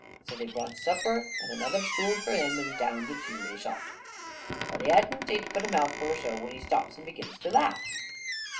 So they brought supper an' another stool for him, and down the tew they sot. Well, he hadn't eat but a mouthful or so, when he stops and begins to laugh.